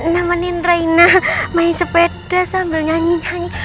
nama nina rena main sepeda sambil nyanyi nyanyi